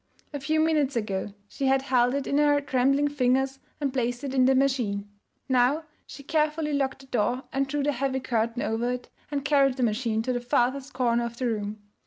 A few minutes ago she had held it in her trembling fingers and placed it in the machine. Now she carefully locked the door and drew the heavy curtain over it and carried the machine to the farthest corner of the room.